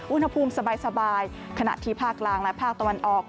อุณหภูมิสบายขณะที่ภาคกลางและภาคตะวันออก